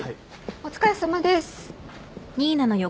お疲れさまです。